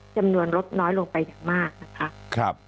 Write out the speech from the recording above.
จมนวนลดน้อยลงไปจะมาก